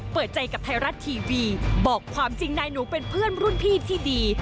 เปิดใจกับไทยรัฐทีวีบอกความจริงนายหนูเป็นเพื่อนรุ่นพี่ที่ดี